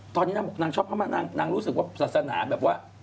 ตอนนี้นางบอกนางชอบพม่านางรู้สึกว่าศาสนาแบบว่า